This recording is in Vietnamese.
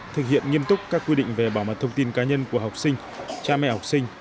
thực hiện nghiêm túc các quy định về bảo mật thông tin cá nhân của học sinh cha mẹ học sinh